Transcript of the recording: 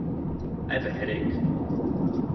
I have a headache.